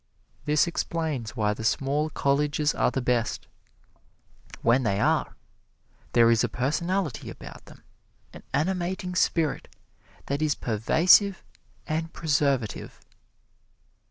This explains why the small colleges are the best, when they are: there is a personality about them, an animating spirit that is pervasive and preservative.